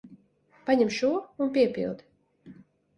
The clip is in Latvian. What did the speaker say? Paņem šo un piepildi.